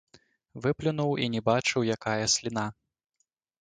Выплюнуў і не бачыў, якая сліна.